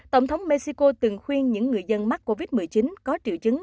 tổng thống mexico từng khuyên những người dân mắc covid một mươi chín có triệu chứng